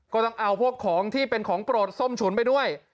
ก็ต้องเอาพวกของที่เป็นของโปรดส้มฉุนไปด้วย